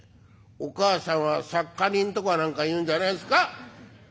お母さんはサッカリンとかなんかいうんじゃないですか？」。